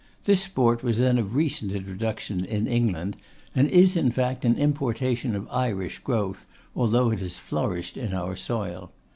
This sport was then of recent introduction in England, and is, in fact, an importation of Irish growth, although it has flourished in our soil.